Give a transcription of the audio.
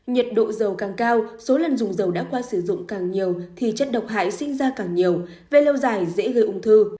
nhiệt độ dầu càng cao số lần dùng dầu đã qua sử dụng càng nhiều thì chất độc hại sinh ra càng nhiều về lâu dài dễ gây ung thư